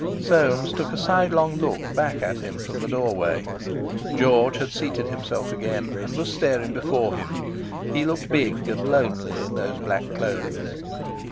Soames took a sidelong look back at him from the doorway. George had seated himself again and was staring before him; he looked big and lonely in those black clothes.